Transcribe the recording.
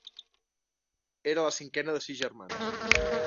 Era la cinquena de sis germans.